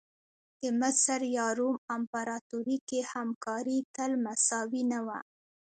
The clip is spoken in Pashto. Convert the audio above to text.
د مصر یا روم امپراتوري کې همکاري تل مساوي نه وه.